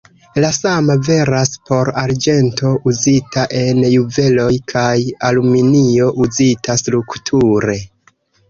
La sama veras por arĝento uzita en juveloj kaj aluminio uzita strukture.